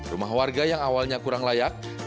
rumah warga yang awalnya kurang layak